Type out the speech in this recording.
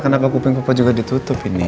kenapa kuping kupa juga ditutup ini